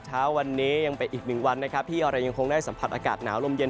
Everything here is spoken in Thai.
เช้าวันนี้ยังเป็นอีกหนึ่งวันนะครับที่เรายังคงได้สัมผัสอากาศหนาวลมเย็น